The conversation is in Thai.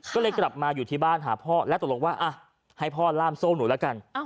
ก็เลยกลับมาอยู่ที่บ้านหาพ่อและตกลงว่าให้พ่อล่ามโซ่หนูแล้วกัน